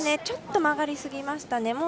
ちょっと曲がりすぎましたね。